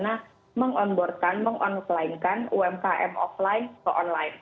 bagaimana meng onboard kan meng online kan umkm offline ke online